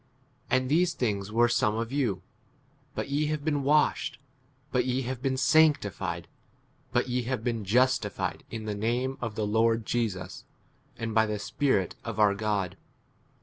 And these things were some of you ; but ye have been washed, but ye have been sanctified, but ye have been justified in the name of the Lord Jesus, and by the Spirit of our God.